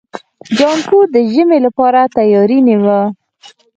جانکو د ژمي لپاره تياری نيوه.